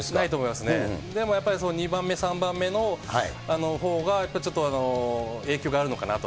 でもやっぱりその、２番目、３番目のほうがやっぱりちょっと影響があるのかなと。